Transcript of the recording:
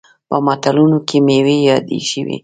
په متلونو کې میوې یادې شوي.